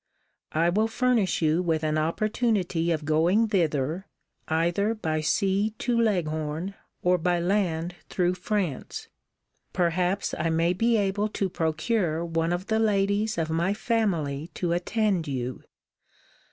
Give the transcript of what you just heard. I will furnish you with an opportunity of going thither, either by sea to Leghorn, or by land through France. Perhaps I may be able to procure one of the ladies of my family to attend you.